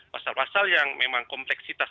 pasal pasal yang memang kompleksitas